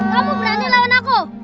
kamu berani lawan aku